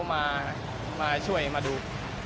มาช่วยมาดู